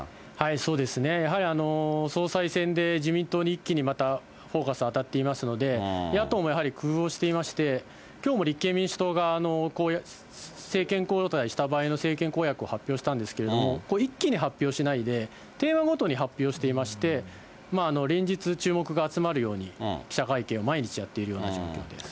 そうですね、総裁選で自民党に一気にフォーカス当たっていますので、野党もやはり工夫をしていまして、きょうも立憲民主党が政権交代した場合の政権公約を発表したんですけれども、一気に発表しないで、テーマごとに発表していまして、連日注目が集まるように、記者会見を毎日やっているような状況です。